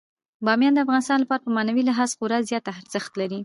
بامیان د افغانانو لپاره په معنوي لحاظ خورا زیات ارزښت لري.